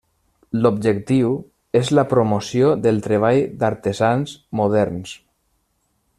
L'objectiu és la promoció del treball d'artesans moderns.